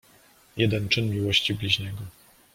Jeden czyn miłości bliźniego.